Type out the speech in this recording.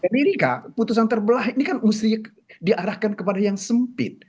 dan ini kak putusan terbelah ini kan harus diarahkan kepada yang sempit